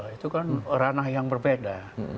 itu kan ranah yang berbeda